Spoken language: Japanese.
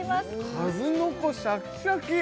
数の子シャキシャキ！